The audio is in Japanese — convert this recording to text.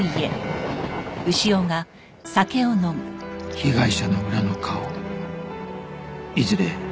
被害者の裏の顔いずれ